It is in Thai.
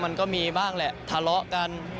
มันก็มีบ้างแหละทะเลาะกัน